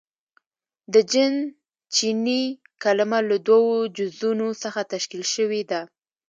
• د جن چیني کلمه له دوو جزونو څخه تشکیل شوې ده.